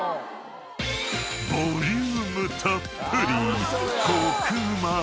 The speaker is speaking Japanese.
［ボリュームたっぷり！］